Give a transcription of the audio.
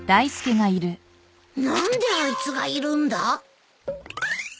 何であいつがいるんだ？